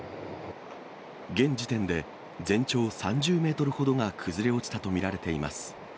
現時点で全長３０メートルほどが崩れ落ちたと見られています。